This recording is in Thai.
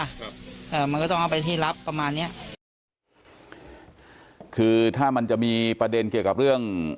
เอ่อมันก็ต้องเอาไปที่รับประมาณเนี้ยคือถ้ามันจะมีประเด็นเกี่ยวกับเรื่อง